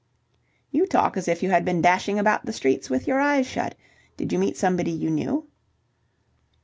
"You talk as if you had been dashing about the streets with your eyes shut. Did you meet somebody you knew?"